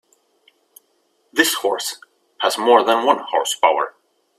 This horse has more than one horse power.